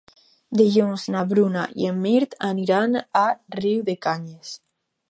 Dilluns na Bruna i en Mirt aniran a Riudecanyes.